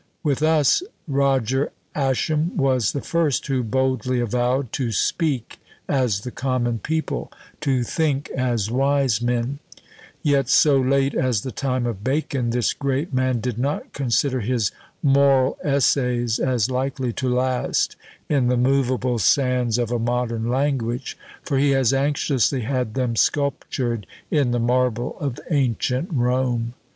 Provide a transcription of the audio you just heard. With us Roger Ascham was the first who boldly avowed "To speak as the common people, to think as wise men;" yet, so late as the time of Bacon, this great man did not consider his "Moral Essays" as likely to last in the moveable sands of a modern language, for he has anxiously had them sculptured in the marble of ancient Rome.